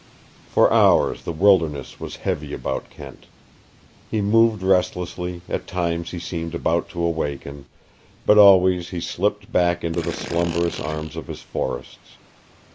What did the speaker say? For hours the wilderness was heavy about Kent. He moved restlessly, at times he seemed about to awaken, but always he slipped back into the slumberous arms of his forests.